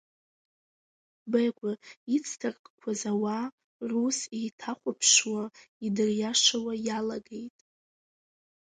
Бегәа ицҭаркқәаз ауаа рус еиҭахәаԥшуа, идыриашауа иалагеит.